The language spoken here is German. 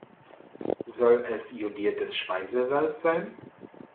Soll es jodiertes Speisesalz sein?